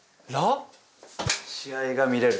試合が見れると。